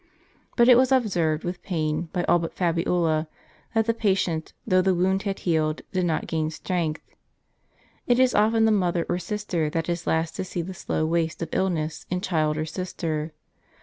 t But it was observed with ])ain, by all but Fabiola, that the patient, though the wound had healed, did not gain strength. It is often the mother or sister that is last to see the slow waste of illness, in child or sister.